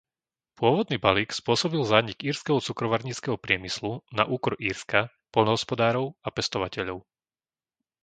Pôvodný balík spôsobil zánik írskeho cukrovarníckeho priemyslu na úkor Írska, poľnohospodárov a pestovateľov.